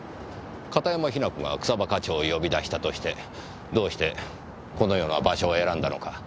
片山雛子が草葉課長を呼び出したとしてどうしてこのような場所を選んだのか甚だ疑問です。